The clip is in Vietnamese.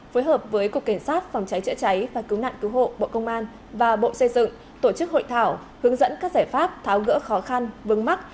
phối hợp với cục cảnh sát phòng cháy chữa cháy và cứu nạn cứu hộ bộ công an và bộ xây dựng tổ chức hội thảo hướng dẫn các giải pháp tháo gỡ khó khăn vướng mắt